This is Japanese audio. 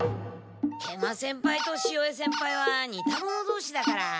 食満先輩と潮江先輩は似た者同士だから。